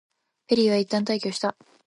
ペリーはいったん退去した。